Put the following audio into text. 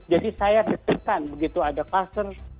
jadi saya detekan begitu ada kluster